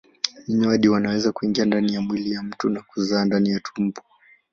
Minyoo hao wanaweza kuingia ndani ya mwili wa mtu na kuzaa ndani ya utumbo.